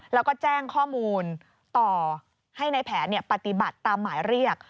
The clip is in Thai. แล้วก็แจ้งข้อมูลต่อให้ในแผนปฏิบัติตามหมายเรียก